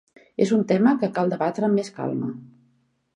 És un tema que cal debatre amb més calma.